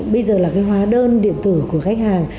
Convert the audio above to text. bây giờ là cái hóa đơn điện tử của khách hàng